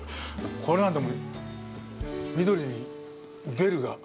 これなんて、緑にベルが。